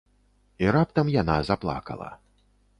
І раптам яна заплакала.